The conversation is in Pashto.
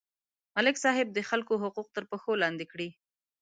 ملک صاحب د خلکو حقوق تر پښو لاندې کړي.